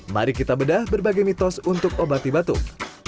mari kita bedah berbagai mitos untuk obati batuk